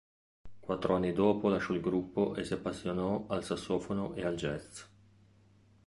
Quattro anni dopo lasciò il gruppo e si appassionò al sassofono e al jazz.